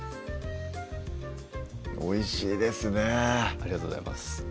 おいしいですねありがとうございます